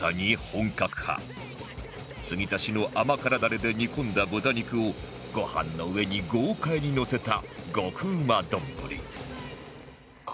つぎ足しの甘辛ダレで煮込んだ豚肉をご飯の上に豪快にのせた極うま丼